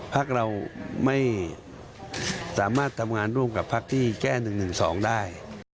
พักเราไม่สามารถทำงานร่วมกับพักที่แก้๑๑๒ได้